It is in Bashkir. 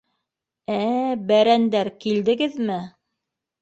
— Ә-ә-ә, бәрәндәр, килдегеҙме!